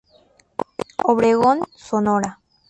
Obregón, Sonora.